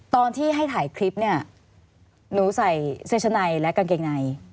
ตอนที่ให้ถ่ายคลิปเนี่ยหนูใส่เสื้อชั้นในและกางเกงใน